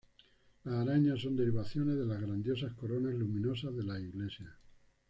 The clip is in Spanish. Las arañas son derivaciones de las grandiosas coronas luminosas de las iglesias.